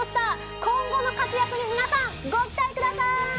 今後の活躍に皆さん、ご期待ください。